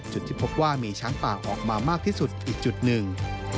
จุดที่พบว่ามีช้างป่าออกมามากที่สุดอีกจุดหนึ่ง